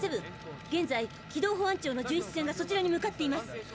現在軌道保安庁の巡視船がそちらに向かっています。